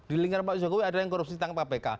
di lingkaran pak jokowi ada yang korupsi tangan kpk